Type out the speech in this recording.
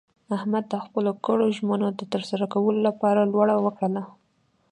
احمد د خپلو کړو ژمنو د ترسره کولو لپاره لوړه وکړله.